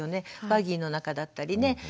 バギーの中だったりね。